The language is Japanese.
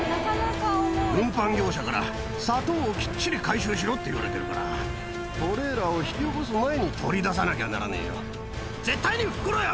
運搬業者から砂糖をきっちり回収しろって言われてるから、トレーラーを引き起こす前に取り出さなきゃならねえよ。